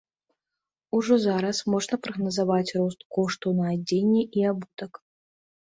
Ужо зараз можна прагназаваць рост коштаў на адзенне і абутак.